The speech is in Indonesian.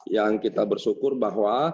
yang kita bersyukur bahwa